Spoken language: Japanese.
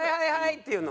っていうの。